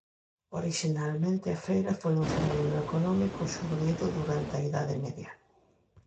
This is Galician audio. Orixinalmente a feira foi un fenómeno económico xurdido durante a idade media.